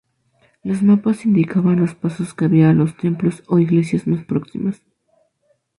Los mapas indicaban los pasos que había a los templos o iglesias más próximas.